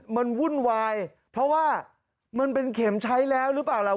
มันวุ่นวายเพราะว่ามันเป็นเข็มใช้แล้วหรือเปล่าล่ะ